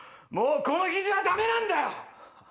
もうこの肘はダメなんだよ！